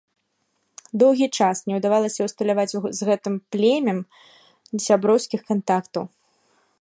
Доўгі час не ўдавалася ўсталяваць з гэтым племем сяброўскіх кантактаў.